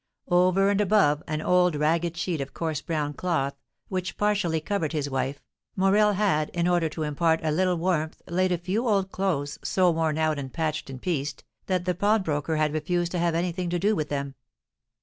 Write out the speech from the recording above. Over and above an old ragged sheet of coarse brown cloth, which partially covered his wife, Morel had, in order to impart a little warmth, laid a few old clothes, so worn out, and patched and pieced, that the pawnbroker had refused to have anything to do with them.